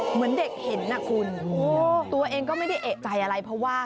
เหมือนเด็กเห็นนะคุณตัวเองก็ไม่ได้เอกใจอะไรเพราะว่า